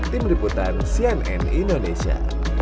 tim liputan cnn indonesia